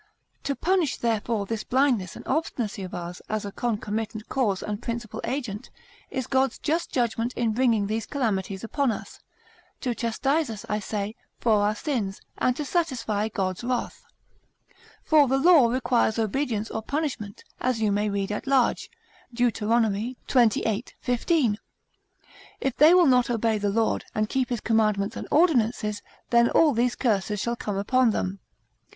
To punish therefore this blindness and obstinacy of ours as a concomitant cause and principal agent, is God's just judgment in bringing these calamities upon us, to chastise us, I say, for our sins, and to satisfy God's wrath. For the law requires obedience or punishment, as you may read at large, Deut. xxviii. 15. If they will not obey the Lord, and keep his commandments and ordinances, then all these curses shall come upon them.